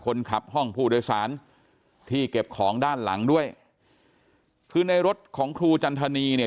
คนขับห้องผู้โดยสารที่เก็บของด้านหลังด้วยคือในรถของครูจันทนีเนี่ย